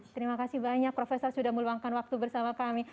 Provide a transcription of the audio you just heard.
terima kasih banyak profesor sudah meluangkan waktu bersama kami